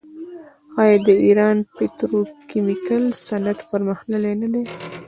آیا د ایران پتروکیمیکل صنعت پرمختللی نه دی؟